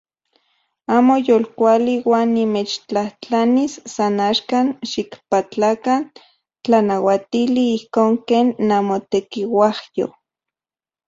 Amo yolkuali uan nimechtlajtlanis san axkan xikpatlakan tlanauatili ijkon ken namotekiuajyo.